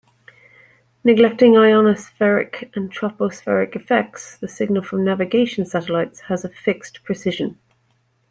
Neglecting ionospheric and tropospheric effects, the signal from navigation satellites has a fixed precision.